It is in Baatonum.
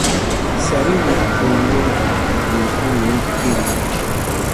Sari wì u kun yɛ̃ wì u wii kere.